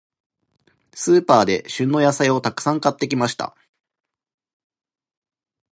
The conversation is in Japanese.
スーパーで、旬の野菜をたくさん買ってきました。